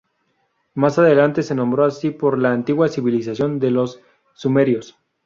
Más adelante se nombró así por la antigua civilización de los sumerios.